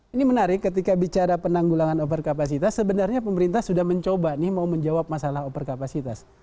ini menarik ketika bicara penanggulangan overkapasitas sebenarnya pemerintah sudah mencoba nih mau menjawab masalah overkapasitas